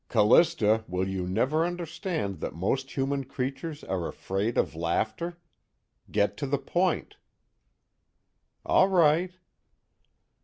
_ CALLISTA, WILL YOU NEVER UNDERSTAND THAT MOST HUMAN CREATURES ARE AFRAID OF LAUGHTER? GET TO THE POINT. _All right.